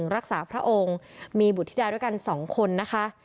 รักษาพระองค์มีบุธิดาด้วยกัน๒คนนะคะ